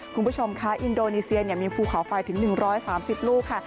คุณผู้ชมค่ะอินโดนีเซียมีภูเขาไฟถึง๑๓๐ลูกค่ะ